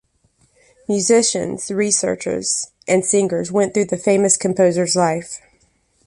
Musicians, researches and singers went through the famous composer’s life.